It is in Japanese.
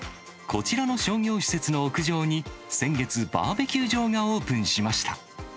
こちらの商業施設の屋上に先月、バーベキュー場がオープンしました。